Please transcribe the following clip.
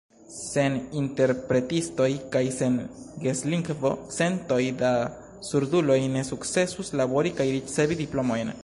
Sen interpretistoj kaj sen gestlingvo, centoj da surduloj ne sukcesus labori kaj ricevi diplomojn.